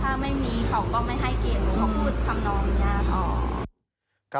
ถ้าไม่มีเขาก็ไม่ให้เกต